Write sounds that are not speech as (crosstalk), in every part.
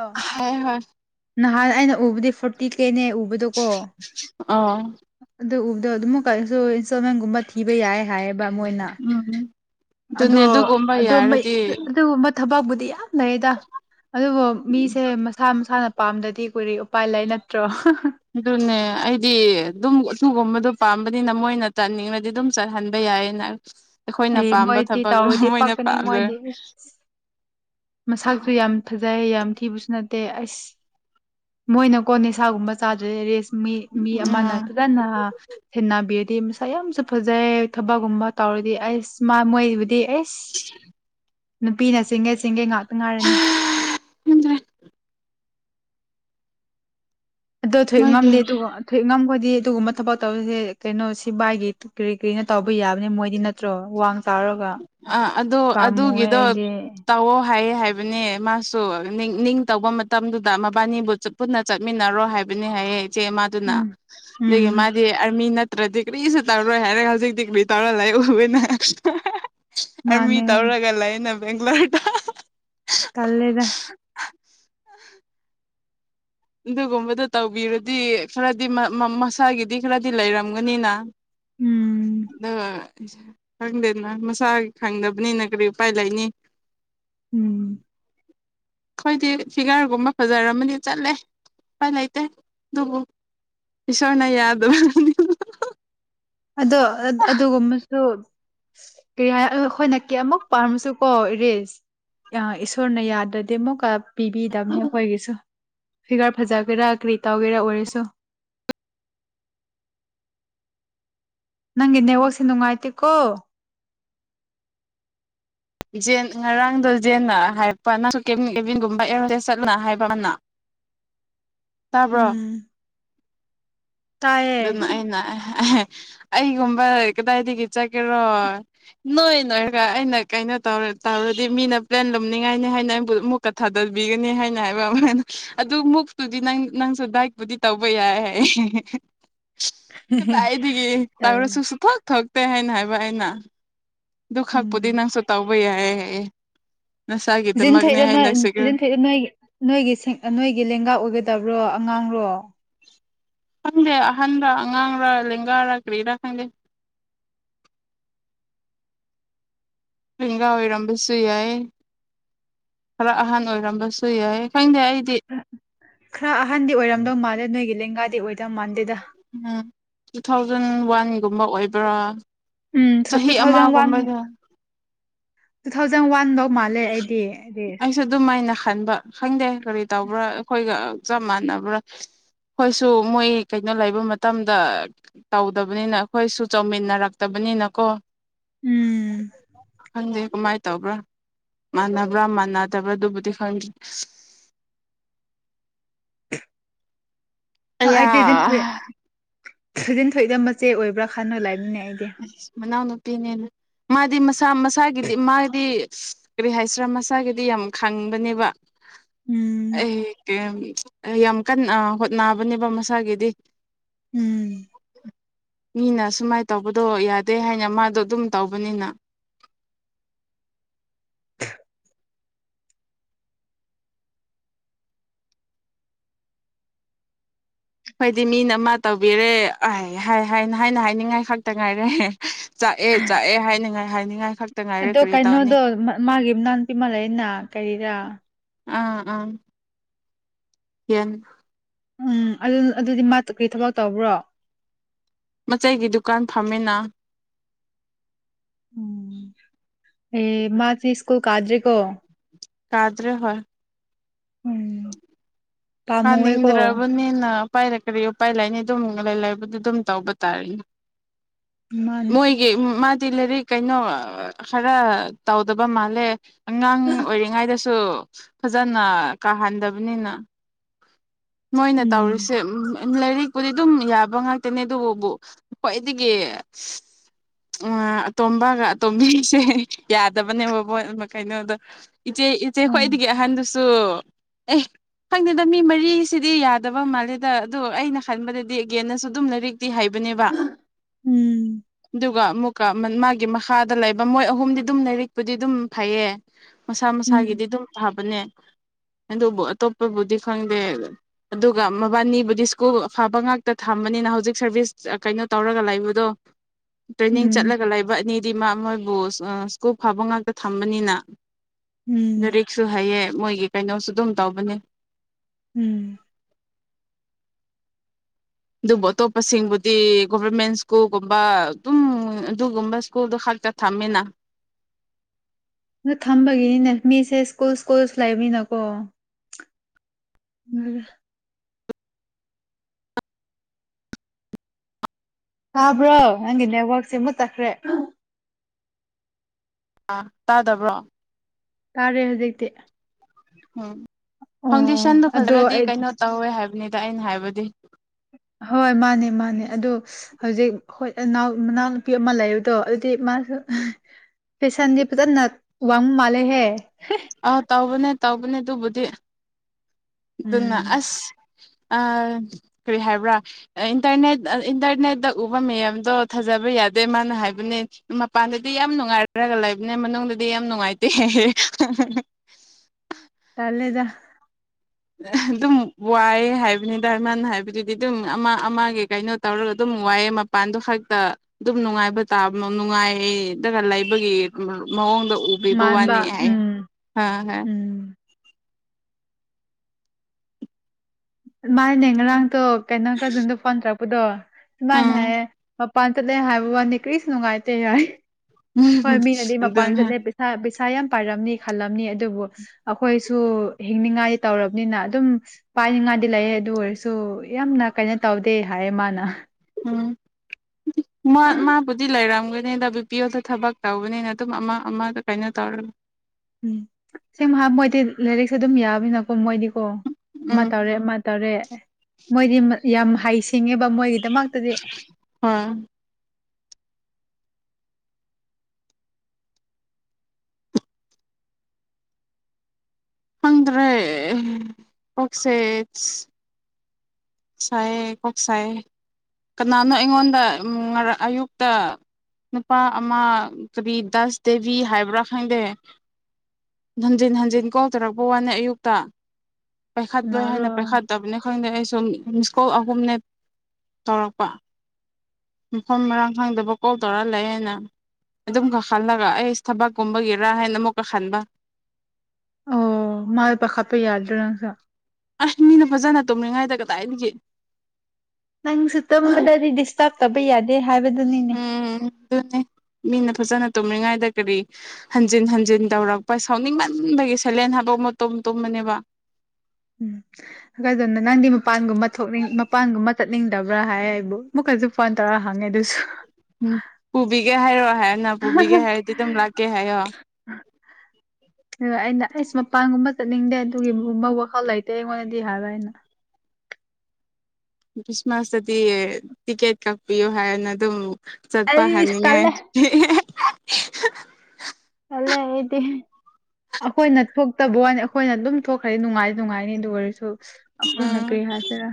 ꯑꯥ ꯍꯣꯏ ꯍꯣꯏ ꯅꯍꯥꯟ ꯑꯩꯅ ꯎꯕꯗꯤ ꯐꯣꯔꯇꯤ ꯀꯦꯅꯦ ꯎꯕꯗꯣꯀꯣ ꯑꯥ ꯑꯗꯨ ꯎꯕꯗꯣ ꯑꯗꯨꯃꯛ ꯄꯥꯢꯔꯁꯨ ꯏꯟꯁ꯭ꯇꯣꯜꯃꯦꯟꯒꯨꯝꯕ ꯊꯤꯕ ꯌꯥꯏꯌꯦ ꯍꯥꯏꯌꯦ ꯕ ꯃꯣꯏꯅ ꯎꯝ ꯑꯗꯨꯅꯦ ꯑꯗꯣ ꯑꯗꯨꯒꯨꯝꯕ ꯑꯗꯣ ꯌꯥꯔꯗꯤ (unintelligible) ꯑꯗꯣ ꯃꯠ ꯊꯕꯛꯄꯨꯗꯤ ꯌꯥꯝ ꯂꯩꯌꯦꯗꯥ ꯑꯗꯨꯕꯨ ꯅꯦ ꯃꯁꯥ ꯃꯁꯥꯅ ꯄꯥꯝꯗꯗꯤ ꯀꯨꯔꯤ ꯎꯄꯥꯏ ꯂꯩ ꯅꯠꯇ꯭ꯔꯣ ꯑꯗꯨꯅꯦ ꯑꯩꯗꯤ ꯑꯗꯨꯝ ꯑꯒꯨꯝꯕꯗꯣ ꯄꯥꯝꯕꯅꯤꯅ ꯃꯣꯏꯅ ꯆꯠꯅꯤꯡꯔꯗꯤ ꯑꯗꯨꯝ ꯆꯠꯍꯟꯕ ꯌꯥꯏꯌꯦꯅ ꯑꯈꯣꯏꯅ ꯑꯩ ꯄꯥꯝꯕ ꯃꯣꯏꯗꯤ ꯊꯕꯛꯔꯣ ꯇꯧꯔꯗꯤ ꯃꯣꯏꯅ ꯄꯛꯀꯅꯤ ꯄꯥꯝꯖꯔꯦ ꯁꯛꯁꯨ ꯌꯥꯝ ꯐꯖꯩ ꯌꯥꯝ ꯊꯤꯕꯁꯨ ꯅꯠꯇꯦ ꯑꯁ ꯃꯣꯏꯅꯀꯣ ꯅꯤꯁꯥꯒꯨꯝꯕ ꯆꯥꯗ꯭ꯔꯗꯤ ꯔꯤꯛꯁ ꯃꯤ ꯃꯤ ꯑꯃꯅ ꯑꯥ ꯐꯖꯅ ꯁꯦꯟꯅꯕꯤ ꯇꯦ ꯃꯁꯛ ꯌꯥꯝꯁꯨ ꯐꯖꯌꯦ ꯊꯕꯛꯀꯨꯝꯕ ꯇꯧꯔꯗꯤ ꯑꯩꯁ ꯃꯥ ꯃꯣꯏꯕꯨ ꯇꯦ ꯑꯦꯁ ꯅꯨꯄꯤꯅ ꯆꯤꯡꯒꯦ ꯆꯤꯡꯒꯦ ꯉꯥꯛ ꯇꯉꯥꯏꯔꯅꯤ ꯈꯪꯗ꯭ꯔꯦ ꯑꯗꯣ ꯃꯣꯏꯒꯤ ꯊꯣꯛꯏꯉꯝꯗꯤ ꯑꯗꯨꯒ ꯊꯣꯛꯏꯉꯝꯈꯣꯏꯗꯤ ꯑꯗꯨꯒꯨꯝꯕ ꯊꯕꯛ ꯇꯧꯔꯤꯁꯤ ꯀꯩꯅꯣ ꯁꯤꯕꯥꯏꯒꯤ ꯇꯨ ꯀꯔꯤ ꯀꯔꯤꯅꯣ ꯇꯧ ꯕ ꯌꯥꯕꯅꯦ ꯃꯣꯏꯗꯤ ꯅꯠꯇ꯭ꯔꯣ ꯋꯥꯡ ꯆꯥꯎꯔꯒ ꯑꯥ ꯄꯥꯝꯃꯨꯌꯦ ꯑꯩꯗꯤ ꯋꯥꯌꯦ ꯍꯥꯏꯕꯅꯦ ꯃꯥꯁꯨ ꯅꯤꯡ ꯅꯤꯡ ꯇꯧꯕ ꯃꯇꯝꯗꯨꯗ ꯃꯕꯥꯅꯤꯕꯨ ꯆ ꯄꯨꯟꯅ ꯆꯠꯃꯤꯟꯅꯔꯣ ꯍꯥꯏ ꯕꯅꯦ ꯍꯥꯏꯌꯦ ꯆꯦ ꯑꯃꯥꯗꯨꯅ ꯎꯝ ꯀ꯭ꯔꯤꯒꯤ ꯎꯝ ꯃꯥꯗꯤ ꯑꯥꯔꯃꯤ ꯅꯠꯇ꯭ꯔꯗꯤ ꯀ꯭ꯔꯤꯁꯨ ꯇꯧꯔꯣꯏ ꯍꯥꯏꯔꯒ ꯍꯧꯖꯤꯛꯇꯤ ꯀ꯭ꯔꯤ ꯇꯧꯔ ꯂꯩ ꯎꯍꯧꯋꯦꯅ (unintelligible) ꯃꯥꯅꯦ ꯑꯥꯔꯃꯤ ꯍꯣꯏ ꯇꯧꯔꯒ ꯂꯩꯌꯦꯅ ꯕꯦꯡꯒ꯭ꯂꯣꯔꯗ ꯇꯜꯂꯦꯗ ꯑꯗꯨꯒꯨꯝꯕꯗꯣ ꯇꯧꯕꯤꯔꯗꯤ ꯈꯔꯗꯤ ꯃꯥ ꯃꯁꯥꯒꯤꯗꯤ ꯈꯔꯗꯤ ꯂꯩꯔꯝꯒꯅꯤꯅ ꯎꯝ ꯅꯪ ꯑꯩꯁꯦ ꯈꯪꯗꯦꯅ ꯃꯁꯥꯒꯤ ꯈꯪꯗꯕꯅꯤꯅ ꯀꯔꯤ ꯎꯄꯥꯏ ꯂꯩꯅꯤ ꯎꯝ ꯑꯩꯈꯣꯏꯗꯤ ꯐꯤꯒꯔꯒꯨꯝꯕ ꯐꯖꯔꯝꯃꯅꯤ ꯆꯠꯂꯦ ꯎꯄꯥꯥꯏ ꯂꯩꯇꯦ ꯑꯗꯨꯕꯨ ꯏꯁꯣꯔꯅ ꯌꯥꯗꯕꯅꯤꯅ ꯑꯗꯣ ꯑꯗꯨꯒꯨꯝꯕ ꯑꯗꯨ ꯀꯩ ꯍꯥꯏ ꯑꯩꯈꯣꯏꯅ ꯀꯌꯥꯃꯨꯛ ꯄꯥꯝꯃꯁꯨꯀꯣ ꯏꯔꯤꯁ ꯌꯥ ꯏꯁꯣꯔꯅ ꯌꯥꯗ꯭ꯔꯗꯤ ꯑꯃꯨꯛꯀ ꯄꯤꯕꯤꯗꯕꯅꯤ ꯑꯩꯈꯣꯏꯒꯤꯁꯨ ꯐꯤꯒꯥꯔ ꯐꯖꯒꯦꯔꯥ ꯀ꯭ꯔꯤ ꯇꯧꯒꯦꯔꯥ ꯑꯣꯏꯔꯁꯨ (inaudible) ꯅꯪꯒꯤ ꯅꯦꯠꯋꯥꯛꯁꯦ ꯅꯨꯡꯉꯥꯏꯇꯦꯀꯣ ꯖꯦꯟ ꯉꯔꯥꯡꯗꯣ ꯖꯦꯟꯅ ꯍꯥꯏꯔꯛꯄ ꯅꯪ ꯀꯦꯚꯤꯟ ꯀꯦꯚꯤꯟꯒꯨꯝꯕ ꯑꯦꯌꯔ ꯍꯣꯁꯇꯦꯁ ꯆꯠꯅꯉꯥꯢ ꯍꯥꯏꯕ ꯃꯥꯅ ꯇꯥꯕ꯭ꯔꯣ ꯎꯝ ꯇꯥꯏꯌꯦ ꯑꯗꯨꯅ ꯑꯩꯅ ꯑꯩꯒꯨꯝꯕ ꯀꯗꯥꯏꯗꯒꯤ ꯆꯠꯀꯦꯔꯣ ꯅꯣꯏ ꯅꯣꯏꯒ ꯑꯩꯅ ꯀꯩꯅꯣ ꯇꯧꯔ ꯇꯧꯔꯗꯤ ꯃꯤꯅ ꯄ꯭ꯂꯦꯟ ꯂꯨꯝꯅꯤꯡꯉꯥꯏꯅꯤ ꯍꯥꯏꯅ ꯑꯩꯕꯨ ꯑꯃꯨꯛꯀ ꯊꯥꯗꯕꯤꯒꯅꯤ ꯍꯥꯏꯅ ꯍꯥꯏꯕ ꯃꯥꯅ ꯑꯗꯨ ꯃꯨꯛꯇꯨꯗꯤ ꯅꯪ ꯅꯪꯁꯨ ꯗꯥꯏꯠꯄꯨꯗꯤ ꯇꯧꯕ ꯌꯥꯏ ꯍꯥꯏ ꯀꯇꯥꯏꯗꯒꯤ ꯇꯥꯔꯦ ꯇꯧꯔꯁꯨ ꯁꯨꯛ ꯊꯛ ꯊꯛꯇꯦ ꯍꯥꯏꯅ ꯍꯥꯏꯕ ꯑꯩꯅ ꯗꯨ ꯈꯛꯄꯨꯗꯤ ꯎꯝ ꯅꯪꯁꯨ ꯇꯥꯎꯕ ꯌꯥꯏꯑꯦ ꯍꯥꯏꯑꯦ ꯖꯤꯟ ꯊꯣꯏꯒ ꯅꯣꯏ ꯖꯤꯟꯊꯣꯏꯒ ꯅꯣꯏ ꯅꯣꯏꯒꯤ ꯂꯦꯡꯒꯥ ꯑꯣꯏꯒꯗꯕ꯭ꯔꯣ ꯑꯉꯥꯡꯔꯣ ꯈꯪꯗꯦ ꯑꯍꯟꯔ ꯑꯉꯥꯡꯔ ꯂꯦꯡꯒꯥꯔꯥ ꯀꯔꯤꯔꯥ ꯈꯪꯗꯦ ꯂꯦꯡꯒꯥ ꯑꯣꯏꯔꯝꯕꯁꯨ ꯌꯥꯏ ꯈꯔ ꯑꯍꯟ ꯑꯣꯏꯔꯝꯕꯁꯨ ꯌꯥꯏ ꯈꯪꯗꯦ ꯑꯩꯗꯤ ꯈꯔ ꯑꯍꯟꯗꯤ ꯑꯣꯏꯔꯝꯗꯧ ꯃꯥꯟꯗꯦ ꯅꯣꯏꯒꯤ ꯂꯦꯡꯒꯥꯗꯤ ꯑꯣꯏꯗꯧ ꯃꯥꯟꯗꯦꯗ ꯎꯝ ꯇꯨ ꯊꯥꯎꯖꯟ ꯋꯥꯟꯒꯨꯝꯕ ꯑꯣꯏꯕ꯭ꯔꯥ ꯎꯝ ꯇꯨ ꯆꯍꯤ ꯊꯥꯎꯖꯟ ꯋꯥꯟ ꯑꯃꯒꯨꯝꯕꯗ ꯇꯨ ꯊꯥꯎꯖꯟ ꯋꯥꯟꯐꯧ ꯃꯥꯜꯂꯦ ꯑꯩꯗꯤ ꯔꯦꯁ ꯑꯩꯁꯨ ꯑꯗꯨꯝꯥꯏꯅ ꯍꯟꯕ ꯈꯪꯗꯦ ꯀꯔꯤ ꯇꯧꯕ꯭ꯔꯥ ꯑꯩꯈꯣꯏꯒ ꯆꯞ ꯃꯥꯟꯅꯕ꯭ꯔ ꯑꯩꯈꯣꯏꯁꯨ ꯃꯣꯏ ꯀꯩꯅꯣ ꯂꯩꯕ ꯃꯇꯝꯗ ꯇꯧꯗꯕꯅꯤꯅ ꯑꯩꯈꯣꯏꯁꯨ ꯆꯧꯃꯤꯟꯅꯔꯛꯇꯕ ꯅꯤꯅꯀꯣ ꯎꯝ ꯈꯪꯗꯦ ꯀꯃꯥꯏ ꯇꯧꯕ꯭ꯔꯥ ꯃꯥꯟꯅꯕ꯭ꯔꯥ ꯃꯥꯟꯅꯗꯕ꯭ꯔꯥ ꯑꯗꯨꯕꯨꯗꯤ ꯈꯪꯗꯦ ꯑꯌꯥ ꯊꯣꯏꯖꯤꯟ ꯊꯣꯏꯒ ꯃꯆꯦ ꯑꯣꯏꯕ꯭ꯔꯥ ꯈꯟꯅ ꯂꯩꯕꯅꯦ ꯑꯩꯗꯤ ꯑꯁ ꯃꯅꯥꯎꯅꯨꯄꯤꯅꯦꯅ ꯃꯥꯗꯤ ꯃꯁꯥ ꯃꯁꯥꯒꯤꯗꯤ ꯃꯥꯗꯤ ꯀꯔꯤ ꯍꯥꯏꯁꯤꯔꯥ ꯃꯁꯥꯒꯤꯗꯤ ꯌꯥꯝ ꯈꯪꯕꯅꯦꯕ ꯎꯝ ꯑꯩ ꯌꯥꯝ ꯀꯟꯅ ꯍꯣꯠꯅꯕꯅꯦꯕ ꯃꯁꯥꯒꯤꯗꯤ ꯎꯝ ꯃꯤꯅꯁꯨꯃꯥꯏ ꯌꯥꯗꯦ ꯍꯥꯏꯅ ꯃꯥꯗꯣ ꯑꯗꯨꯝ ꯇꯧꯕꯅꯤꯅ ꯈꯣꯏꯗꯤ ꯃꯤꯅ ꯃꯥ ꯇꯧꯕꯤꯔꯦ ꯑꯥꯏ ꯍꯥꯏ ꯍꯥꯏꯅ ꯍꯥꯏꯅꯤꯡꯉꯥꯏ ꯈꯛꯇ ꯉꯥꯏꯔꯦ ꯆꯥꯛꯑꯦ ꯆꯥꯛꯑꯦ ꯍꯥꯏꯅꯤꯡꯉꯥꯏ ꯍꯥꯏꯅꯤꯡꯉꯥꯏ ꯈꯛꯇ ꯉꯥꯏꯔꯦ ꯑꯗꯣ ꯀꯔꯤ ꯇꯧꯅꯤ ꯀꯩꯅꯣꯗꯣ ꯃꯥꯒꯤ ꯃꯅꯥꯎꯅꯨꯄꯤ ꯑꯃ ꯂꯩꯌꯦꯅ ꯀꯔꯤꯔꯥ ꯑꯥ ꯑꯥ ꯌꯦꯟ ꯎꯝ ꯑꯗꯨꯗꯤ ꯃꯥ ꯀꯔꯤ ꯊꯕꯛ ꯇꯧꯕ꯭ꯔꯣ ꯃꯆꯦꯒꯤ ꯗꯨꯀꯥꯟ ꯐꯝꯃꯦꯅ ꯎꯝ ꯑꯦ ꯃꯥꯁꯤ ꯏꯁꯀꯨꯜ ꯀꯥꯗꯔꯤꯀꯣ ꯀꯥꯗ꯭ꯔꯦ ꯍꯣꯢ ꯎꯝ ꯄꯥꯝꯃꯨꯑꯦꯀꯣ ꯀꯥꯅꯤꯡꯗ꯭ꯔꯕꯅꯤꯅ ꯎꯄꯥꯏꯔ ꯀꯔꯤ ꯎꯄꯥꯏ ꯂꯩꯅꯤ ꯑꯗꯨꯝ ꯂꯩꯥꯏꯕꯗꯨ ꯑꯗꯨꯝ ꯇꯧꯕ ꯇꯥꯔꯦꯅꯦ ꯃꯥꯅꯦ ꯃꯣꯏꯒꯤ (unintelligible) ꯇꯤꯂꯔꯤ ꯀꯩꯅꯣ ꯈꯔ ꯇꯧꯗꯕ ꯃꯥꯜꯂꯦ ꯑꯉꯥꯡ ꯑꯣꯏꯔꯤꯉꯩꯗꯁꯨ ꯐꯖꯅ ꯀꯥꯍꯟꯗꯕꯅꯤꯅ ꯃꯣꯏꯅ ꯎꯝ ꯇꯧꯔꯤꯁꯦ ꯎꯝ ꯂꯥꯏꯔꯤꯛꯄꯨꯗꯤ ꯑꯗꯨꯝ ꯌꯥꯕ ꯉꯥꯛꯇꯅꯦ ꯑꯗꯨꯕꯨ ꯈ꯭ꯋꯥꯏꯗꯒꯤ ꯑꯇꯣꯝꯕꯒ ꯑꯇꯣꯝꯕꯤꯁꯦ ꯌꯥꯗꯕꯅꯦꯕ ꯀꯩꯅꯣꯗ ꯏꯆꯦ ꯏꯆꯦ ꯑꯣ ꯈ꯭ꯋꯥꯏꯗꯒꯤ ꯑꯍꯟꯗꯨꯁꯨ ꯑꯦ ꯈꯪꯗꯦꯗ ꯃꯤ ꯃꯔꯤ ꯁꯤꯗꯤ ꯌꯥꯗꯕ ꯃꯥꯜꯂꯦꯗ ꯑꯗꯣ ꯑꯩꯅ ꯈꯟꯕꯗꯗꯤ ꯑꯦꯒꯦꯟꯅꯁꯨ ꯑꯗꯨꯝ ꯂꯥꯏꯔꯤꯛ ꯇꯤ ꯍꯩꯕꯅꯦꯕ ꯎꯝ ꯑꯗꯨꯒ ꯑꯃꯨꯛꯀ ꯃꯥꯒꯤ ꯃꯈꯥꯗ ꯂꯩꯕ ꯃꯣꯏ ꯑꯍꯨꯝꯗꯤ ꯑꯗꯨꯝ ꯂꯩꯔꯤꯛꯄꯨꯗꯤ ꯑꯗꯨꯝ ꯐꯩꯌꯦ ꯃꯁꯥ ꯎꯝ ꯃꯁꯥꯒꯤꯗꯤ ꯑꯗꯨꯝ ꯊꯥꯕꯅꯦ ꯑꯗꯨꯕꯨ ꯑꯇꯣꯞꯄꯕꯨꯗꯤ ꯈꯪꯗꯦ ꯑꯗꯨꯒ ꯃꯕꯥꯅꯤꯕꯨꯗꯤ ꯁ꯭ꯀꯨꯜ ꯐꯕ ꯉꯥꯛꯇ ꯊꯝꯕꯅꯤꯅ ꯍꯧꯖꯤꯛ ꯁꯥꯔꯚꯤꯁ ꯀꯩꯅꯣ ꯇꯧꯔꯒ ꯂꯩꯕꯗꯣ (unintelligible) ꯇ꯭ꯔꯦꯅꯤꯡ ꯎꯝ ꯆꯠꯂꯒ ꯂꯩꯕ ꯑꯅꯤꯗꯤ ꯃꯣꯏꯕꯨ ꯁꯀꯨꯜ ꯐꯕ ꯉꯥꯛꯇ ꯊꯝꯕꯅꯤꯅ ꯎꯝ ꯂꯥꯏꯔꯤꯛꯁꯨ ꯍꯩꯌꯦ ꯃꯣꯏꯒꯤ ꯀꯩꯅꯣꯁꯨ ꯑꯗꯨꯝ ꯇꯧꯕꯅꯦ ꯎꯝ ꯑꯗꯨꯕꯨ ꯑꯇꯣꯞꯄꯁꯤꯡꯕꯨꯗꯤ ꯒꯣꯚꯔꯃꯦꯟ ꯁ꯭ꯀꯨꯜꯒꯨꯝꯕ ꯑꯗꯨꯝ ꯑꯗꯨꯒꯨꯝꯕ ꯁ꯭ꯀꯨꯜꯗ ꯀ ꯊꯥꯝꯃꯦꯅꯥ ꯑ ꯊꯝꯕꯒꯤꯅꯤꯅꯦ ꯃꯤꯁꯦ ꯁ꯭ꯀꯨꯜ ꯁ꯭ꯀꯨꯜ ꯂꯩꯕꯅꯤꯅꯀꯣ (unintelligible) ꯇꯥꯕ꯭ꯔꯣ ꯅꯪꯒꯤ ꯅꯦꯠꯋꯔꯛꯁꯦ ꯃꯨꯠ ꯇꯥꯠꯈ꯭ꯔꯦ ꯑꯥ ꯇꯥꯗꯕ꯭ꯔꯣ ꯇꯥꯔꯦ ꯍꯧꯖꯤꯛꯇꯤ ꯎꯝ ꯑꯣ ꯐꯥꯎꯟꯗꯦꯁꯟꯗꯣ ꯑꯗꯣ ꯐꯖꯔꯗꯤ ꯑꯩ ꯀꯩꯅꯣ ꯇꯧꯋꯦ ꯍꯥꯏꯕꯅꯤꯗ ꯑꯩꯅ ꯍꯥꯏꯕꯗꯤ ꯍꯣꯏ ꯃꯥꯅꯦ ꯃꯅꯥꯎ ꯃꯅꯥꯎ ꯅꯨꯄꯤ ꯑꯃ ꯂꯩꯕꯗꯣ ꯑꯗꯨꯗꯤ ꯃꯥꯁꯨ ꯐꯦꯁꯟꯗꯤ ꯐꯖꯅ ꯋꯥꯡꯕ ꯃꯥꯟꯂꯦ ꯍꯦ ꯑꯥ ꯇꯧꯕꯅꯦ ꯇꯧꯕꯅꯦ ꯑꯗꯨꯕꯨꯗꯤ ꯑꯗꯨꯅ ꯎꯝ ꯑꯁ ꯀꯔꯤ ꯍꯥꯏꯕ꯭ꯔꯥ ꯏꯟꯇꯔꯅꯦꯠ ꯏꯟꯇꯔꯅꯦꯠꯇ ꯎꯕ ꯃꯌꯥꯝꯗꯣ ꯊꯥꯖꯕ ꯊꯥꯖꯕ ꯌꯥꯗꯦ ꯃꯥꯅ ꯍꯥꯏꯕꯅꯦ ꯃꯄꯥꯟꯗꯗꯤ ꯌꯥꯝ ꯅꯨꯡꯉꯥꯏꯔꯒ ꯂꯩꯕꯅꯦ ꯃꯅꯨꯡꯗꯗꯤ ꯌꯥꯝ ꯅꯨꯡꯉꯥꯏꯇꯦ (unintelligible) ꯇꯜꯂꯦꯗ ꯑꯗꯨꯝ ꯋꯥꯏꯑ ꯍꯥꯏꯕꯅꯤꯗ ꯃꯥꯅ ꯍꯥꯏꯕꯗꯨꯗꯤ ꯑꯗꯨꯝ ꯑꯃ ꯑꯃꯒꯤ ꯀꯩꯅꯣ ꯇꯧꯔꯒ ꯑꯗꯨꯝ ꯑꯗꯨ ꯋꯥꯏꯑꯦ ꯃꯄꯥꯟꯗꯨ ꯈꯛꯇ ꯑꯗꯨꯝ ꯅꯨꯡꯉꯥꯏꯕ ꯇꯥ ꯅꯨꯡꯉꯥꯏ ꯑꯗꯨꯒ ꯂꯩꯕꯒꯤ ꯃꯑꯣꯡꯗꯣ ꯎꯕꯤꯕ ꯋꯥꯅꯤ ꯃꯥꯟꯕ (unintelligible) ꯎꯝ ꯎꯝ ꯃꯥꯥꯟꯅꯦ ꯉꯔꯥꯡꯇꯣ ꯀꯩꯅꯣ ꯀꯖꯟꯗꯣ ꯐꯣꯟ ꯇꯧꯔꯛꯄꯗꯣ ꯃꯥꯅ ꯎꯝ ꯍꯥꯏꯌꯦ ꯃꯄꯥꯟ ꯆꯠꯂꯦ ꯍꯥꯏꯕ ꯋꯥꯅꯤ ꯀꯔꯤꯁꯨ ꯅꯨꯡꯉꯥꯏꯇꯦ ꯌꯥꯏ ꯍꯣꯏ ꯃꯤꯅꯗꯤ ꯃꯄꯥꯟ ꯑꯗꯨꯅ ꯆꯠꯂꯦ ꯄꯩꯁꯥ ꯄꯩꯁꯥ ꯌꯥꯝ ꯄꯥꯏꯔꯝꯅꯤ ꯈꯜꯂꯝꯅꯤ ꯑꯗꯨꯕꯨ ꯑꯩꯈꯣꯏꯁꯨ ꯍꯤꯡꯅꯤꯡꯉꯥꯏ ꯇꯧꯔꯕꯅꯤꯅ ꯑꯗꯨꯝ ꯄꯥꯏꯅꯤꯡꯉꯥꯏꯗꯤ ꯂꯩ ꯑꯗꯨ ꯑꯣꯏꯔꯁꯨ ꯌꯥꯝꯅ ꯀꯩꯅꯣ ꯇꯧꯗꯦ ꯍꯥꯏꯌꯦ ꯃꯥꯅ ꯎꯝ ꯃꯥ ꯃꯥꯕꯨꯗꯤ ꯂꯩꯔꯝ ꯅꯤꯗ ꯕꯤ ꯄꯤ ꯑꯦꯜꯗ ꯊꯕꯛ ꯇꯧꯕꯅꯤꯅ ꯑꯗꯨꯝ ꯑꯃ ꯑꯃꯗ ꯀꯩꯅꯣ ꯇꯧꯔꯣ ꯎꯝ ꯁꯦꯡꯕ ꯍꯥꯏ ꯃꯣꯏꯗꯤ ꯂꯥꯏꯔꯤꯛꯁꯨ ꯑꯗꯨꯝ ꯌꯥꯕꯅꯤꯅꯀꯣ ꯃꯣꯏꯗꯤꯀꯣ ꯑꯃ ꯎꯝ ꯇꯧꯔꯦ-ꯑꯃ ꯇꯧꯔꯦ ꯃꯣꯏꯗꯤ ꯌꯥꯝ ꯍꯩ ꯁꯤꯡꯉꯦꯕ ꯃꯣꯏꯒꯤꯗꯃꯛꯇꯗꯤ ꯍꯣꯏ ꯈꯪꯗ꯭ꯔꯦꯑꯦ ꯀꯣꯛꯁꯦ ꯁꯥꯏꯌꯦ ꯀꯣꯛ -ꯁꯥꯏꯌꯦ ꯀꯅꯥꯅꯣ ꯑꯩꯉꯣꯟꯗ ꯅꯣꯡꯉ ꯑꯌꯨꯛꯇ ꯅꯨꯄꯥ ꯑꯃ ꯀꯔꯤ ꯗꯥꯁ ꯗꯦꯕꯤ ꯍꯥꯏꯕ꯭ꯔꯥ ꯈꯪꯗꯦ ꯍꯟꯖꯤꯟ -ꯍꯟꯖꯤꯟ ꯀꯣꯜ ꯇꯧꯔꯛꯄꯋꯥꯅꯦ ꯑꯌꯨꯛꯇ ꯄꯥꯏꯈꯠꯂꯣꯏ ꯍꯥꯏꯅ ꯀꯅꯥꯔꯣ ꯄꯥꯏꯈꯠꯇꯕꯅꯤ ꯈꯪꯗꯦ ꯑꯩꯁꯨ ꯃꯤ ꯃꯤꯁꯀꯣꯜ ꯑꯍꯨꯝꯅꯦ ꯇꯧꯔꯛ ꯄꯥ ꯃꯐꯝ-ꯃꯔꯥꯡ ꯈꯪꯗꯕ ꯀꯣꯜ ꯇꯧꯔ ꯂꯩꯌꯦꯑꯅ ꯑꯗꯨꯝꯒ ꯈꯜꯂꯒ ꯑꯩꯁꯨ ꯊꯕꯛꯀꯨꯝꯕꯒꯤꯔꯥ ꯍꯥꯏꯅ ꯑꯃꯨꯛꯀꯈꯟꯕ ꯑꯣ ꯃꯥꯏ ꯄꯈꯥꯠꯄ ꯌꯥꯗ꯭ꯔꯥ ꯅꯪꯁꯨ ꯑꯩ ꯃꯤꯅ ꯐꯖꯅ ꯇꯨꯝꯃꯤꯉꯥꯏꯗ ꯀꯗꯥꯏꯗꯒꯤ ꯅꯪꯖꯨ ꯇꯨꯝꯕꯗꯗꯤ ꯗꯤꯁꯇꯞ ꯇꯧꯕꯌꯥꯗꯦ ꯎꯪꯍꯦꯑꯗꯨꯅꯤ ꯃꯤꯅ ꯐꯖꯅ ꯇꯨꯝꯔꯤꯉꯥꯏꯗ ꯀꯔꯤ ꯍꯟꯖꯤꯟ -ꯍꯟꯖꯤꯟ ꯇꯧꯔꯛꯄ ꯁꯥꯎꯅꯤꯡꯃꯟꯕꯒꯤ ꯁꯥꯢꯂꯦꯟ ꯍꯥꯐꯥꯎ ꯃꯇꯨꯡ ꯇꯨꯝ ꯇꯨꯝꯕꯅꯦꯕ INAUDIBLE ꯅꯪꯗꯤ ꯃꯄꯥꯟꯒꯨꯝꯕ ꯊꯣꯛꯅꯤꯡ ꯃꯄꯥꯟꯒꯨꯝꯕ ꯆꯠꯅꯤꯡꯗꯕ꯭ꯔꯥ ꯍꯥꯏ ꯑꯩꯕꯨ ꯑꯃꯨꯛꯀꯩꯖꯨ ꯐꯣꯟꯇꯧꯔ ꯍꯪꯉꯦ ꯑꯗꯨꯁꯨ ꯎꯝꯄꯨꯕꯤꯒꯦ ꯍꯥꯏꯔꯣ ꯍꯥꯏꯅ ꯄꯨꯕꯤꯒꯦ -ꯍꯥꯏꯔꯗꯤ ꯑꯗꯨꯝ ꯂꯥꯛꯀꯦ ꯍꯥꯏꯌꯣ ꯑꯗꯨꯒ ꯑꯩꯅ ꯑꯩꯁ ꯃꯄꯥꯟꯒꯨꯝꯕ ꯆꯠꯅꯤꯡꯗꯦ ꯑꯗꯨꯒꯤꯒꯨꯝꯕ ꯋꯥꯈꯜꯂꯩꯇꯦ ꯑꯩꯉꯣꯟꯗꯗꯤ ꯍꯥꯏꯕꯑꯩꯅ ꯈ꯭ꯔꯤꯁꯃꯥꯁꯇꯗꯤ ꯇꯤꯀꯦꯠ ꯀꯛꯄꯤꯌꯨ ꯍꯥꯏꯌꯦꯅ ꯑꯗꯨꯝ ꯆꯠꯄ ꯑꯩꯁ ꯍꯥꯟꯅꯤꯡꯉꯥꯏ ꯇꯜꯂꯦ UNINTELLIGIBLE ꯑꯩꯈꯣꯏꯅ ꯊꯣꯛꯇꯕ ꯋꯥꯅꯤ-ꯑꯩꯈꯣꯏꯅ ꯑꯗꯨꯝ ꯊꯣꯛꯈ꯭ꯔꯗꯤ ꯅꯨꯡꯉꯥꯏꯗꯤ ꯅꯨꯡꯉꯥꯏꯅꯤ ꯑꯗꯨ ꯑꯣꯏꯔꯁꯨ ꯑꯩꯈꯣꯏꯅ ꯎꯝ ꯀꯔꯤꯍꯥꯏꯁꯦꯔꯥ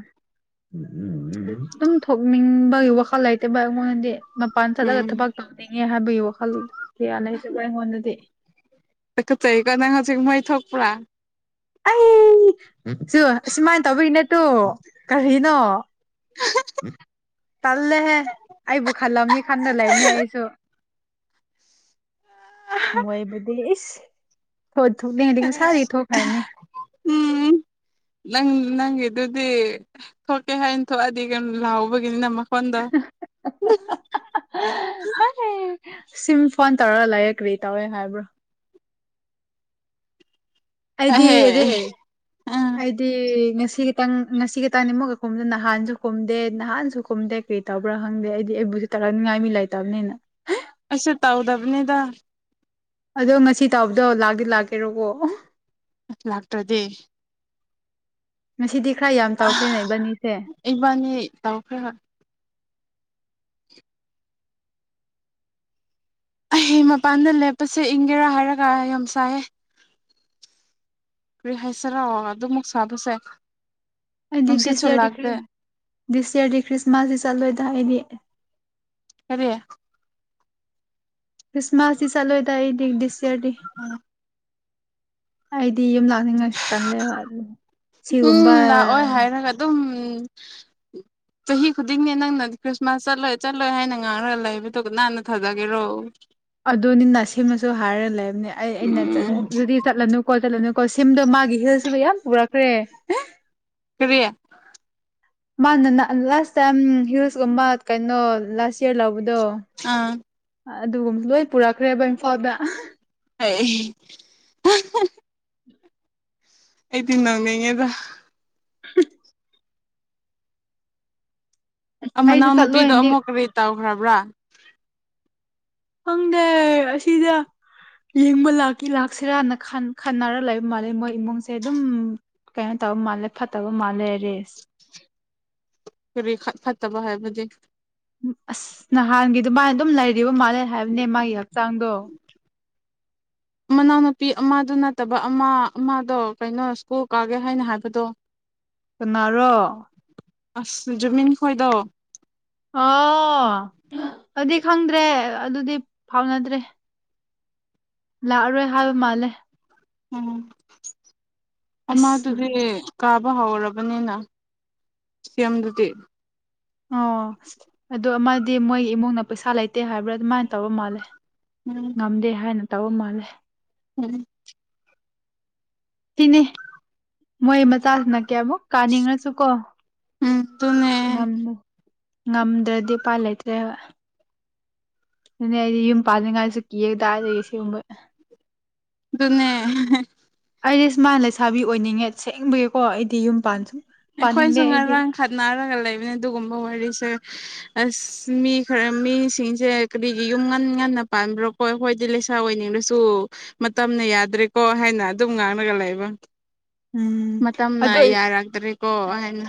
ꯑꯗꯨꯝ ꯊꯣꯛꯅꯤꯡꯕꯒꯤ ꯋꯥꯈꯜ ꯂꯩꯇꯦꯕꯥ ꯑꯩꯉꯣꯟꯗꯗꯤ ꯃꯄꯥꯟ ꯆꯠꯂꯒꯥ ꯎꯝ ꯊꯕꯛꯇꯧꯅꯤꯡꯉꯦ ꯍꯥꯏꯕꯒꯤ ꯋꯥꯈꯜ ꯀꯌꯥꯂꯩꯇꯕ ꯑꯩꯉꯣꯟꯗꯗꯤ ꯇꯨꯀꯠꯆꯩꯀꯣ ꯅꯪ ꯍꯧꯖꯤꯛꯃꯣꯢ ꯊꯣꯛꯄ꯭ꯔꯥ ꯑꯩ ꯖꯨ ꯁꯨꯃꯥꯏꯅꯥ ꯇꯧꯕꯩꯅꯦ ꯑꯗꯨ ꯀꯔꯤꯅꯣ ꯇꯜꯂꯦ ꯍꯦ ꯑꯩꯕꯨ ꯈꯜꯂꯝꯅꯤ ꯈꯟꯅ ꯂꯩꯕꯅꯦ ꯑꯩꯁꯨ INAUDIBLE ꯃꯣꯏꯕꯨꯗꯤꯅꯦ ꯢꯁ ꯊꯣꯛꯈ꯭ꯔꯅꯤ UNINTELLIGIBLE ꯅꯪꯒꯤꯗꯨ ꯗꯤ ꯊꯣꯛꯀꯦ ꯍꯥꯏꯅ ꯊꯣꯛꯑꯗꯤ ꯀꯩꯅꯣ ꯂꯥꯎꯕꯒꯤ ꯅꯝꯃꯣ ꯐꯣꯟꯗꯣꯨ ꯁꯤꯝ ꯐꯣꯟ ꯇꯧꯔꯥ ꯂꯩꯌꯦ ꯀ꯭ꯔꯤ ꯇꯧꯋꯦ ꯍꯥꯏꯕ꯭ꯔꯣ ꯑꯩꯗꯤ ꯑꯍꯦ ꯔꯤꯜ ꯎꯝ ꯑꯩꯗꯤ ꯉꯁꯤ ꯉꯁꯤ ꯈꯇꯪ ꯉꯁꯤꯇꯅꯤꯃꯛꯀ ꯀꯨꯝꯗꯅ ꯅꯍꯥꯟꯖꯨ ꯀꯨꯝꯗꯦ ꯅꯥꯍꯥꯟꯖꯨ ꯀꯨꯝꯗꯦ ꯀꯩꯇꯧꯕ꯭ꯔꯥ ꯈꯪꯗꯦ ꯑꯩꯗꯤ ꯇꯥꯔꯥꯅꯤꯡꯉꯥꯏ ꯃꯤ ꯂꯩꯥꯇꯕꯅꯤꯅ ꯑꯩꯁꯨ ꯇꯧꯗꯕꯅꯤꯗ ꯑꯗꯣ ꯉꯁꯤꯇꯧꯕꯗꯣ ꯂꯥꯛꯗꯤ ꯂꯥꯛꯀꯦꯔꯣ ꯀꯣ ꯑꯪ ꯂꯥꯛꯇ꯭ꯔꯗꯤ ꯉꯁꯤꯗꯤ ꯈ꯭ꯔ ꯌꯥꯝꯇꯧꯈ꯭ꯔꯦꯅꯦ ꯏꯕꯅꯤꯁꯦ ꯏꯕꯥꯅꯤ ꯇꯧꯈ꯭ꯔꯒ ꯑꯩ ꯃꯄꯥꯟꯗ ꯂꯦꯞꯄꯁꯦ ꯏꯪꯒꯦꯔꯥ ꯍꯥꯏꯔꯒ ꯌꯥꯝ ꯁꯥꯏꯑ ꯀꯔꯤ ꯍꯥꯏꯁꯦꯔ ꯑꯗꯨꯃꯨꯛ ꯁꯥꯥꯕꯁꯦ ꯑꯩꯗꯤ ꯗꯤꯁ ꯌꯦꯔ ꯗꯤ ꯈꯔ꯭ꯤꯁꯠꯃꯥꯁ ꯇꯤ ꯆꯠꯂꯣꯏꯗ ꯑꯩꯗꯤ ꯀꯔꯤ ꯈ꯭ꯔꯤꯁꯃꯥꯁꯇ ꯆꯠꯂꯣꯏꯗ ꯑꯩꯗꯤ ꯗꯤꯁ ꯌꯥꯔꯗꯤ ꯑꯩꯗꯤ ꯌꯨꯝꯂꯛ ꯂꯥꯛꯅꯤꯡ ꯉꯥꯢꯁꯨ ꯇꯜꯂꯦꯕ ꯁꯤꯒꯨꯝꯕ ꯂꯥꯛꯑꯣꯏ ꯍꯥꯏꯔꯒ ꯑꯗꯨꯝ ꯎꯝ ꯆꯍꯤ ꯈꯨꯗꯤꯡꯅꯦ ꯅꯪꯅꯗꯤ ꯈ꯭ꯔꯤꯁꯃꯥꯁ ꯆꯠꯂꯣꯏ ꯆꯠꯂꯣꯏ ꯍꯥꯏꯅ ꯉꯥꯏꯔꯒ ꯂꯩꯕꯗꯨꯒ ꯀꯟꯅ ꯊꯥꯖꯒꯦꯔꯣ ꯑꯗꯨꯅꯤꯅ ꯁꯤꯃꯁꯨ ꯍꯥꯏꯔ ꯂꯩꯕꯅꯦ ꯑꯩ ꯑꯩꯅ ꯎꯝ ꯑꯗꯨꯗꯤ ꯆꯠꯂꯅꯨꯀꯣ ꯆꯠꯂꯅꯨ ꯀꯣꯁꯤꯝꯗ ꯃꯥꯒꯤ ꯍꯤꯜꯁꯤꯕꯨ ꯌꯥꯝ ꯄꯨꯔꯛꯈ꯭ꯔꯦ ꯀꯔꯤ ꯃꯥꯅ ꯂꯥꯁ ꯇꯥꯏꯝ ꯍꯤꯜꯁꯀꯨꯝꯕ ꯀꯩꯅꯣ ꯂꯥꯁ ꯌꯔ ꯂꯧꯕꯅꯤ ꯑꯗꯣ ꯑꯥ ꯑꯗꯨꯒꯨꯝꯕ ꯂꯣꯏ ꯄꯨꯔꯛꯈ꯭ꯔꯦꯕ ꯏꯝꯐꯥꯜꯗ (unintelligible) ꯑꯩꯗꯤ ꯅꯣꯛꯅꯤꯉꯦꯗ (inaudible) ꯑꯩꯁꯨ ꯃꯅꯥꯎ ꯅꯨꯄꯤꯗꯣ ꯆꯠꯂꯣꯏꯅꯗꯤ ꯑꯃꯨꯛ ꯀꯔꯤ ꯇꯧꯈ꯭ꯔꯕ꯭ꯔꯥ ꯐꯪꯗꯦ ꯑꯁꯤꯗ ꯌꯦꯡꯕ ꯂꯥꯛꯇꯤ ꯂꯥꯛꯁꯤꯔꯥꯅ ꯈꯟꯅꯔ ꯂꯩꯕ ꯃꯥꯜꯂꯦ ꯃꯣꯏ ꯏꯃꯨꯡꯁꯦ ꯑꯗꯨꯝ ꯀꯩꯅꯣ ꯇꯧꯕ ꯃꯥꯜꯂꯦ ꯐꯠꯇꯕ ꯃꯥꯜꯂꯦ ꯔꯦꯁ ꯀꯔꯤ ꯈꯠ ꯐꯠꯇꯕ ꯍꯥꯏꯕꯗꯤ ꯑꯁ ꯅꯍꯥꯟꯒꯤ ꯑꯗꯨꯃꯥꯏꯅ ꯑꯗꯨꯝ ꯂꯩꯔꯤꯕ ꯃꯥꯜꯂꯦ ꯍꯥꯏꯕꯅꯦ ꯃꯥꯒꯤ ꯍꯛꯆꯥꯡꯗꯣ (inaudible) ꯃꯅꯥꯎꯅꯨꯄꯤ ꯑꯃꯗꯨ ꯅꯠꯇꯕ ꯑꯃ ꯑꯃꯗꯣ ꯀꯩꯅꯣ ꯁ꯭ꯀꯨꯜ ꯀꯥꯒꯦ ꯍꯥꯏꯅ ꯍꯥꯏꯕꯗꯣ ꯀꯅꯥꯔꯣ ꯑꯁ ꯖꯨꯃꯤꯟꯈꯣꯏꯗꯣ ꯑꯣ ꯑꯗꯨ ꯈꯪꯗ꯭ꯔꯦ ꯑꯗꯨꯗꯤ ꯐꯥꯎꯅꯗ꯭ꯔꯦ ꯂꯥꯛꯑꯔꯣꯏ ꯍꯥꯏꯕ ꯃꯥꯜꯂꯦ ꯎꯝ ꯑꯃ ꯑꯁ ꯑꯗꯨꯗꯤ ꯀꯥꯕ ꯍꯧꯔꯕꯅꯤꯅ ꯁꯦꯝꯗꯨꯗꯤ ꯑꯣ ꯑꯗꯣ ꯑꯃꯗꯤ ꯃꯣꯏꯒꯤ ꯏꯃꯨꯡꯅ ꯄꯩꯁꯥ ꯂꯩꯇꯦ ꯍꯥꯏꯕ꯭ꯔꯥ ꯑꯗꯨꯃꯥꯏꯅ ꯇꯧꯕ ꯃꯥꯜꯂꯦ ꯎꯝ ꯉꯝꯗꯦ ꯍꯥꯏꯅ ꯇꯧꯕ ꯃꯥꯜꯂꯦ ꯎꯝ ꯇꯤꯅꯦ ꯃꯣꯏ ꯃꯆꯥꯁꯤꯅ ꯀꯩꯌꯥꯃꯨꯛ ꯀꯥꯅꯤꯡꯉꯁꯨ ꯀꯣ ꯎꯝ ꯉꯝ ꯑꯗꯨꯅꯦ ꯉꯝꯗ꯭ꯔꯗꯤ ꯎꯄꯥꯏ ꯂꯩꯇ꯭ꯔꯦꯕ ꯑꯗꯨꯅꯦ ꯑꯩꯗꯤ ꯌꯨꯝ ꯄꯥꯅꯤꯡꯉꯥꯏꯁꯨ ꯀꯤꯑꯦ ꯗꯥꯌꯦ ꯁꯤꯒꯨꯝꯕ ꯑꯗꯨꯅꯦ ꯍꯦ ꯍꯦ ꯑꯩꯗꯤ ꯁꯨꯃꯥꯏꯅ ꯂꯩꯁꯥꯕꯤ ꯑꯣꯏꯅꯤꯡꯉꯦ ꯁꯦꯡꯕꯒꯤꯀꯣ ꯑꯩꯗꯤ ꯌꯨꯝ ꯄꯥꯟ ꯁꯨꯝ ꯑꯩꯈꯣꯏꯁꯨ ꯉꯥꯔꯥꯡ ꯈꯠꯅꯔꯒ ꯂꯩꯕꯅꯦ ꯑꯗꯨꯒꯨꯝꯕ ꯋꯥꯔꯤꯁꯦ ꯑꯁ ꯃꯤ ꯈꯔ ꯃꯤꯁꯤꯡꯁꯦ ꯀꯔꯤꯒꯤ ꯌꯨꯝ ꯉꯟ ꯉꯟꯅ ꯉꯟꯅ ꯄꯥꯟꯕ꯭ꯔꯣ ꯑꯩꯈꯣꯏ ꯍꯣꯏꯗꯤ ꯂꯩꯁꯥ ꯑꯣꯏꯅꯤꯡꯂꯁꯨ ꯃꯇꯝꯅ ꯌꯥꯗ꯭ꯔꯦꯀꯣ ꯍꯥꯏꯅ ꯑꯗꯨꯝ ꯉꯥꯡꯉꯒ ꯂꯩ ꯀꯩꯕ ꯎꯝ ꯃꯇꯝꯅ ꯑꯗꯣ ꯌꯥꯔꯛꯇ꯭ꯔꯦ